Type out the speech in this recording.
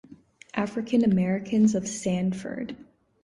African Americans of Sanford.